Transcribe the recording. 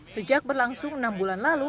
sejak berlangsung enam bulan lalu